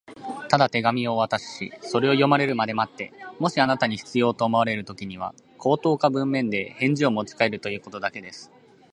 「ただ手紙をお渡しし、それを読まれるまで待って、もしあなたに必要と思われるときには、口頭か文面で返事をもちかえるということだけです」